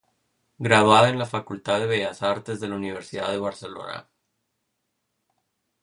Graduada en la facultad de bellas artes de la Universidad de Barcelona.